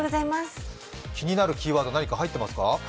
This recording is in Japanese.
気になるキーワード、何か入ってますか？